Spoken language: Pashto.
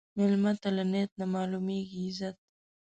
مېلمه ته له نیت نه معلومېږي عزت.